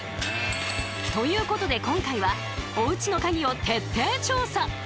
ということで今回はおうちのカギを徹底調査！